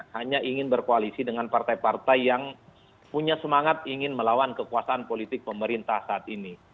hanya ingin berkoalisi dengan partai partai yang punya semangat ingin melawan kekuasaan politik pemerintah saat ini